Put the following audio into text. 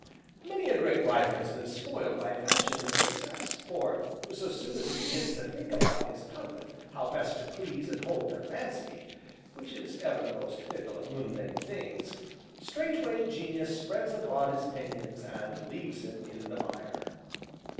"Many a great writer has been spoiled by fashion and success, for, so soon as he begins to think upon his public, how best to please and hold their fancy (which is ever the most fickle of mundane things) straightway Genius spreads abroad his pinions and leaves him in the mire."